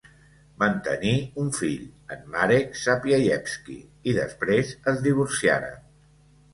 Van tenir un fill, en Marek Sapieyevski, i després es divorciaren.